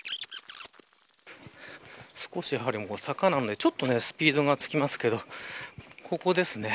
少し坂なのでちょっとスピードがつきますけどここですね。